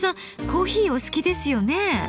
コーヒーお好きですよね。